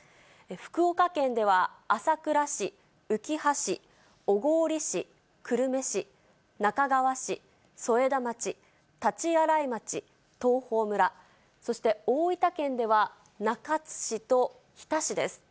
福岡県では朝倉市、うきは市、小郡市、久留米市、那珂川市、添田町、大刀洗町、東峰村、そして大分県では中津市と日田市です。